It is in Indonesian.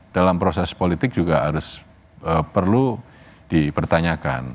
dalam proses politik juga harus perlu dipertanyakan